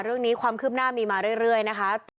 เรื่องนี้ความคืบหน้ามีมาเรื่อยนะคะ